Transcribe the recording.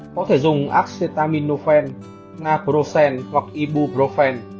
có thể dùng acetaminophen naproxen hoặc ibuprofen